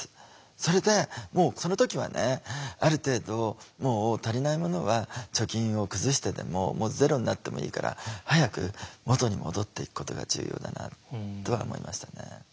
それでもうその時はねある程度もう足りないものは貯金を崩してでももうゼロになってもいいから早く元に戻っていくことが重要だなとは思いましたね。